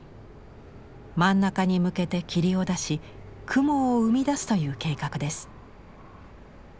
真ん中に向けて霧を出し雲を生み出すという計画です。